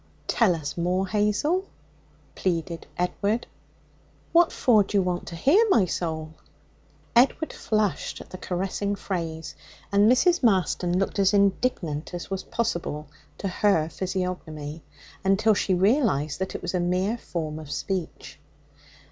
'Tell us more, Hazel!' pleaded Edward. 'What for do you want to hear, my soul?' Edward flushed at the caressing phrase, and Mrs. Marston looked as indignant as was possible to her physiognomy, until she realized that it was a mere form of speech.